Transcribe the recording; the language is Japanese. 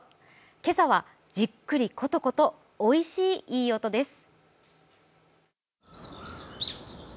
今朝はじっくりことことおいしいいい音です。